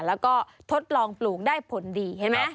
แล้วก็ทดลองปลูกได้ผลดีเห็นไหม